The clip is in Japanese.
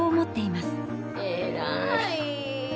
えらい！